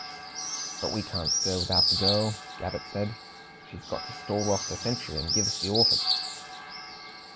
"But we can't stir without the girl," Gabbett said. "She's got to stall off the sentry and give us the orfice."